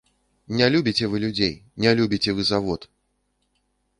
Не любіце вы людзей, не любіце вы завод.